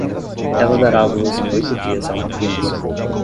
Ela dará a luz em oito dias a uma criança